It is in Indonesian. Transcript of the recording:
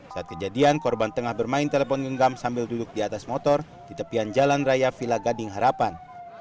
saat kejadian korban tengah bermain telepon genggam sambil duduk di atas motor di tepian jalan raya villa gading harapan